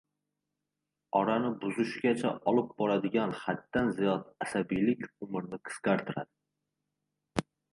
Orani buzishgacha olib boradigan haddan ziyod asabiylik umrni qisqartiradi.